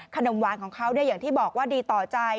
ขนมหวานของเขาอย่างที่บอกว่าดีต่อใจ